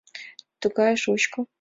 Тугай шучко?